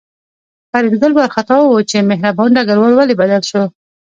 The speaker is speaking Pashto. فریدګل وارخطا و چې مهربان ډګروال ولې بدل شو